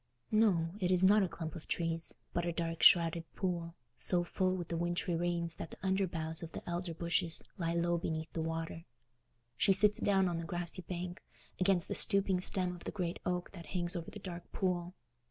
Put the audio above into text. No, it is not a clump of trees, but a dark shrouded pool, so full with the wintry rains that the under boughs of the elder bushes lie low beneath the water. She sits down on the grassy bank, against the stooping stem of the great oak that hangs over the dark pool.